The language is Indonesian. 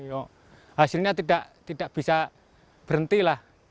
karena hasilnya tidak bisa berhenti lah